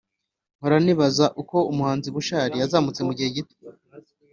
mpora nibaza uko umuhanzi bushali yazamutse mugihe gito